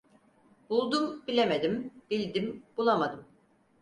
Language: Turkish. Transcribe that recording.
Buldum bilemedim, bildim bulamadım.